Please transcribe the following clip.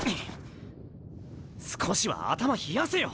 少しは頭冷やせよ！